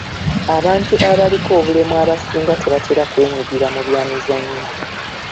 Abantu abaliko obulemu abasinga tebatera kwenyigira mu byamizannyo.